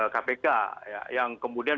kpk yang kemudian